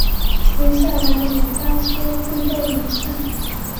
接下来的压缩步骤如下。